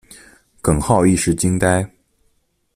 耿浩一时惊呆。